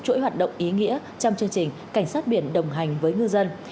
chuỗi hoạt động ý nghĩa trong chương trình cảnh sát biển đồng hành với ngư dân